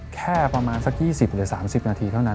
แค่ประมาณสัก๒๐หรือ๓๐นาทีเท่านั้น